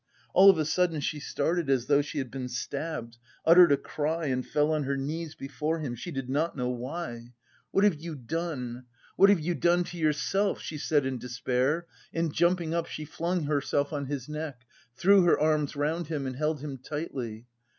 All of a sudden she started as though she had been stabbed, uttered a cry and fell on her knees before him, she did not know why. "What have you done what have you done to yourself?" she said in despair, and, jumping up, she flung herself on his neck, threw her arms round him, and held him tightly.